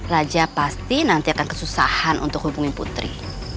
raja pasti nanti akan kesusahan untuk hubungi putri